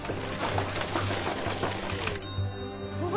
うわ！